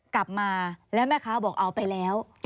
กลับมาแล้วแม่ค้าบอกเอาไปแล้ว